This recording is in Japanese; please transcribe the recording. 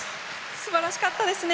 すばらしかったですね。